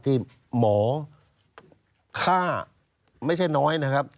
ที่หมอฆ่าไม่ใช่น้อยนะครับ